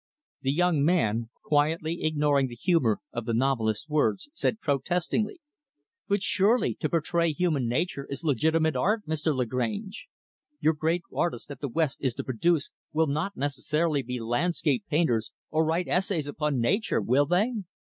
The young man, quietly ignoring the humor of the novelist's words, said protestingly, "But, surely, to portray human nature is legitimate art, Mr. Lagrange. Your great artists that the West is to produce will not necessarily be landscape painters or write essays upon nature, will they?"